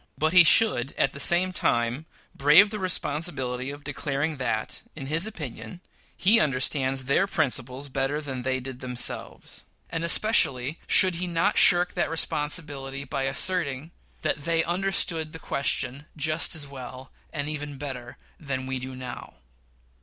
But he should, at the same time, brave the responsibility of declaring that, in his opinion, he understands their principles better than they did themselves; and especially should he not shirk that responsibility by asserting that they "understood the question just as well, and even better than we do now."